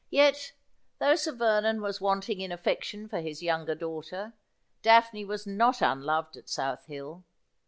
Yet, though Sir Vernon was wanting in affection for his younger daughter. Daphne was not unloved at South Hill.